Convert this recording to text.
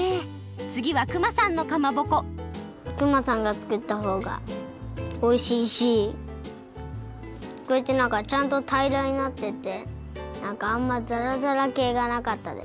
つぎは熊さんのかまぼこ熊さんが作ったほうがおいしいしこうやってなんかちゃんとたいらになっててなんかあんまザラザラけいがなかったです。